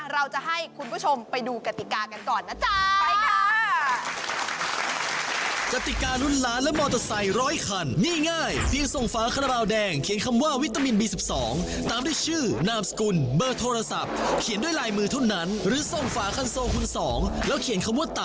เราจะให้คุณผู้ชมไปดูกติกากันก่อนนะจ๊ะ